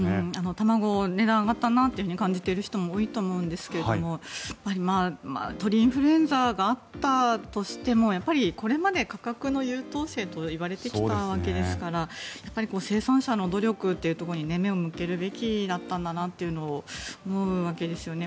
卵の値段が上がったなと感じている人も多いと思うんですけども鳥インフルエンザがあったとしてもこれまで価格の優等生と言われてきたわけですから生産者の努力というところに目を向けるべきだったんだなというのを思うわけですよね。